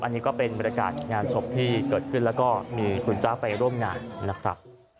อันนี้ก็เป็นบรรยากาศงานศพที่เกิดขึ้นแล้วก็มีคุณจ๊ะไปร่วมงานนะครับ